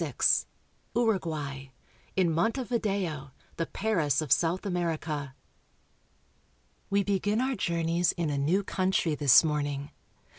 20I XXVI. URUGUAY— IN MONTEVIDEO, THE PARIS OF SOUTH AMERICA. w , E begin our journeys in a new country this morning.